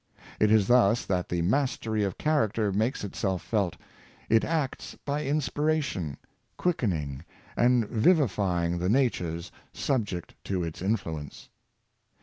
It is thus that the mastery of character makes itself felt, it acts by inspiration, quickening and vivifying the natures sub ject to its influence.